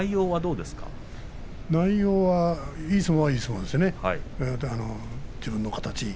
内容はいいときはいいですね。